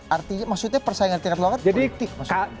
artinya maksudnya persaingan di tingkat lokal politik maksudnya